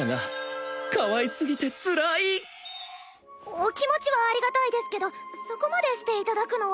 お気持ちはありがたいですけどそこまでしていただくのは。